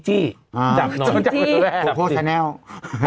จับน้อยจับแหวะ